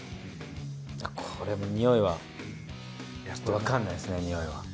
これもにおいはわからないですねにおいは。